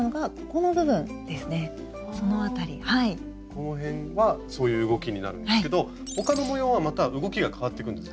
このへんはそういう動きになるんですけど他の模様はまた動きが変わってくんです。